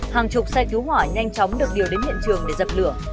hàng chục xe cứu hỏa nhanh chóng được điều đến hiện trường để dập lửa